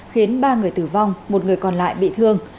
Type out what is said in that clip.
khiến ba người tử vong một người còn lại bị thương